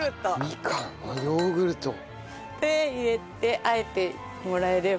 みかんヨーグルト。で入れて和えてもらえれば。